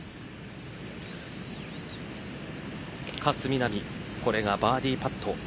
勝みなみこれがバーディーパット。